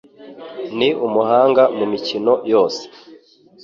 ni umuhanga mumikino yose.